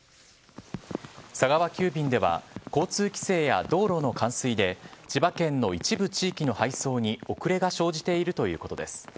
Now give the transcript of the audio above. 佐川急便では交通規制や道路の冠水で千葉県の一部地域の配送に遅れが生じているということです。